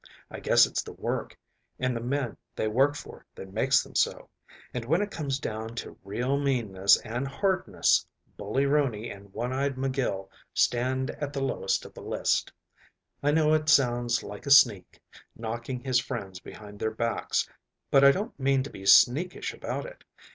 I guess it's the work and the men they work for that makes them so, and, when it comes down to real meanness and hardness, Bully Rooney and One eye McGill stand at the lowest of the list. I know it sounds like a sneak, knocking his friends behind their backs, but I don't mean to be sneakish about it.